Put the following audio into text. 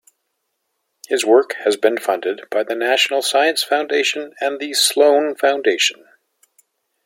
His work has been funded by the National Science Foundation and the Sloan Foundation.